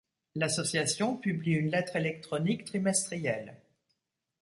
L'association publie une Lettre électronique trimestrielle.